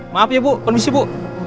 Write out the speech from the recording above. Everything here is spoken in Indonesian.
maaf ya bu permisi bu